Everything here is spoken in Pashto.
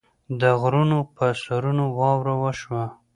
د غرونو پۀ سرونو واوره وشوه